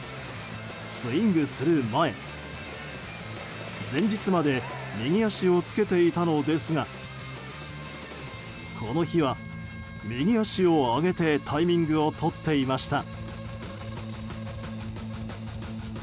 スイングする前、前日まで右足をつけていたのですがこの日は右足を上げてタイミングをとっていました。